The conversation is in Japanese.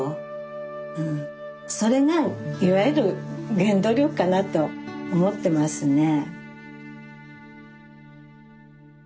それがいわゆる原動力かなと思ってますね。